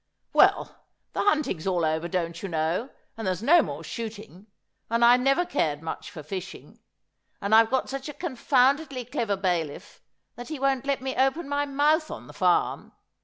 ' Well, the hunting's all over, don't you know, and there's no more shooting, and I never cared much for fishing, and I've got such a confoundedly clever bailiff that he won't let me open my mouth on the farm.